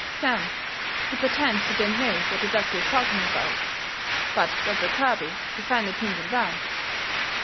Sam, he pertends he don't know what the doctor is talking about. But Doctor Kirby he finally pins him down.